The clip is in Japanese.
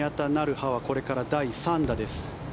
華はこれから第３打です。